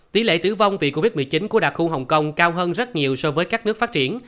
tỷ lệ tử vong vì covid một mươi chín của đặc khu hồng kông cao hơn rất nhiều so với các nước phát triển